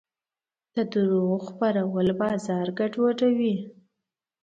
د دروغو خپرول بازار ګډوډوي.